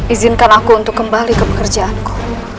izinkan aku untuk kembali ke pekerjaanku